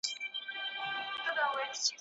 د درد کمولو لپاره سپورت مهم دی.